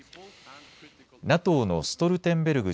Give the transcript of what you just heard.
ＮＡＴＯのストルテンベルグ